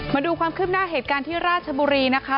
มาดูความคืบหน้าเหตุการณ์ที่ราชบุรีนะคะ